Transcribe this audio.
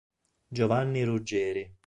Giovanni Ruggeri